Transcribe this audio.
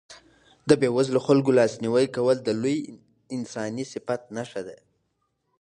د بېوزلو خلکو لاسنیوی کول د لوی انساني صفت نښه ده.